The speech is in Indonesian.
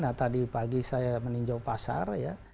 nah tadi pagi saya meninjau pasar ya